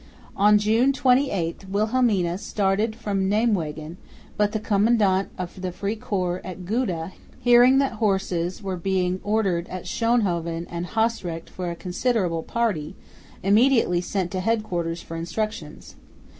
On June 28 Wilhelmina started from Nijmwegen, but the commandant of the free corps at Gouda, hearing that horses were being ordered at Schoonhoven and Haasrecht for a considerable party, immediately sent to headquarters for instructions.